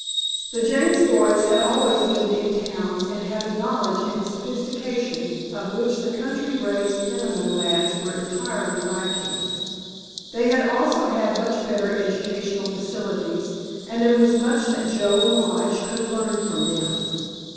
The James boys had always lived in towns and had a knowledge and sophistication of which the country raised Peniman lads were entirely lacking. They had also had much better educational facilities, and there was much that Joe and Lige could learn from them.